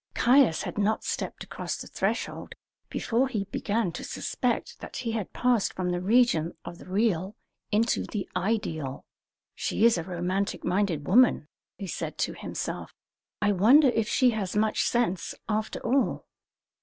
Caius had not stepped across the threshold before he began to suspect that he had passed from the region of the real into the ideal. "She is a romantic minded woman," he said to himself. "I wonder if she has much sense, after all?"